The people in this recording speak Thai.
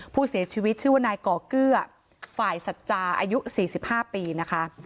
ผู้เสียชีวิตชื่อว่านายก่อเกลือฝ่ายสัจจาอายุ๔๕ปีนะคะ